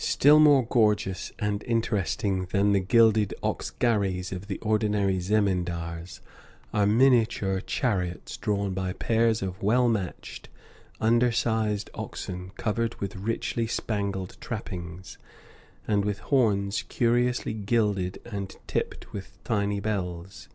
Still more gorgeous and interesting than the gilded ox gharries of the ordinary zemindars are miniature chariots drawn by pairs of well matched, undersized oxen covered with richly spangled trappings, and with horns curiously gilded and tipped with tiny bells.